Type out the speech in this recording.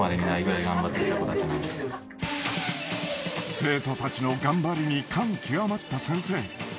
生徒たちの頑張りに感極まった先生。